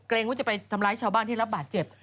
ว่าจะไปทำร้ายชาวบ้านที่รับบาดเจ็บ